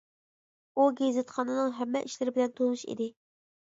ئۇ گېزىتخانىنىڭ ھەممە ئىشلىرى بىلەن تونۇش ئىدى.